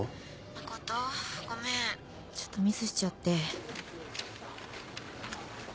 誠ごめんちょっとミスしちゃって。